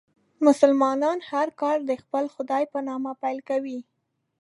مسلمانان هر کار د خپل خدای په نامه پیل کوي.